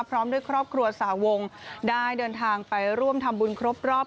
พร้อมด้วยครอบครัวสาวงได้เดินทางไปร่วมทำบุญครบรอบ